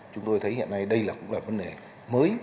chúng tôi thấy hiện nay đây cũng là vấn đề mới